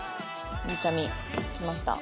ゆうちゃみきました。